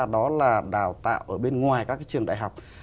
đó là đào tạo ở bên ngoài các trường đại học